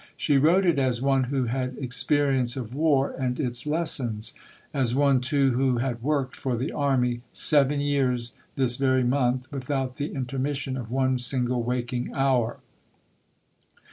She wrote it as one who had experience of war and its lessons; as one, too, who had worked for the Army, "seven years this very month, without the intermission of one single waking hour."